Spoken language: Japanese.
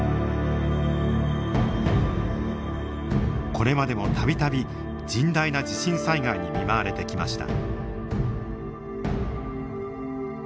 これまでも度々甚大な地震災害に見舞われてきました。